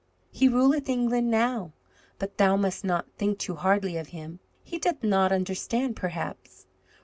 "He ruleth England now. But thou must not think too hardly of him. He doth not understand, perhaps.